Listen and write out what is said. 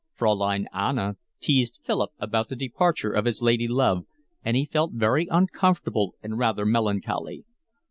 Fraulein Anna teased Philip about the departure of his lady love, and he felt very uncomfortable and rather melancholy.